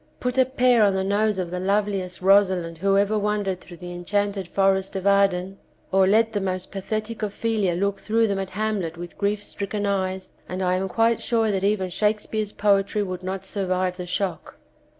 Put a pair on the nose of the loveliest Rosalind who ever wandered through the enchanted forest of Arden, or let the most pathetic Ophelia look through them at Hamlet with grief stricken eyes, and I am quite sure that even Shakespeare's poetry would not survive the shock.